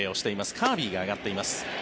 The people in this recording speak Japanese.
カービーが上がっています。